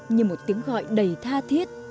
như một tiếng gọi đầy tha thiết